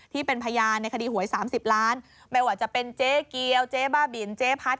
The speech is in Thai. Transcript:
ที่เป็นพยานในคดีหวย๓๐ล้านไม่ว่าจะเป็นเจ๊เกียวเจ๊บ้าบินเจ๊พัด